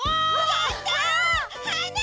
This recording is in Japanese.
やった！